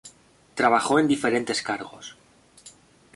Trabajó en diferentes cargos.